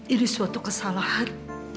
ini suatu kesalahan